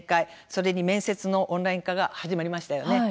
それに面接のオンライン化が始まりましたよね。